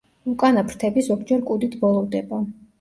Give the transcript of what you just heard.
უკანა ფრთები ზოგჯერ კუდით ბოლოვდება.